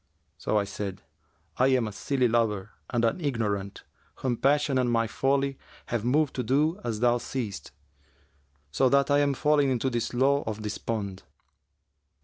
So I said, 'I am a silly lover and an ignorant, whom passion and my folly have moved to do as thou seest, so that I am fallen into this slough of despond.'